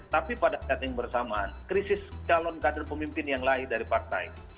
tapi pada saat yang bersamaan krisis calon kader pemimpin yang lahir dari partai